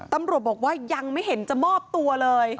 ตำรวจบอกว่ายังไม่เห็นจะมอบตัวเลย